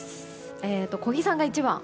小木さんが１番。